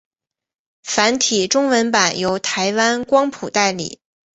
繁体中文版由台湾光谱代理。